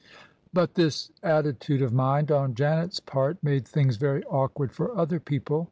But this attitude of mind on Janet's part made things very awkward for other people.